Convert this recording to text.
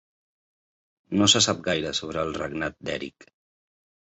No se sap gaire sobre el regnat d'Erik.